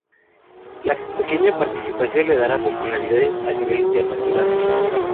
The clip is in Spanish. La pequeña participación le daría popularidad a nivel internacional.